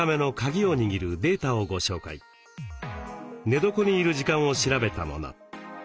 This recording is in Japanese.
寝床にいる時間を調べたもの。